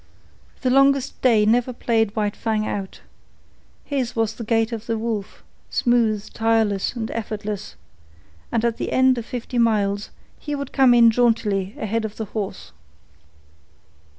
The longest day never played White Fang out. His was the gait of the wolf, smooth, tireless and effortless, and at the end of fifty miles he would come in jauntily ahead of the horse.